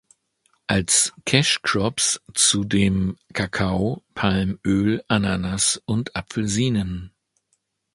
Als Cash Crops zudem Kakao, Palmöl, Ananas und Apfelsinen.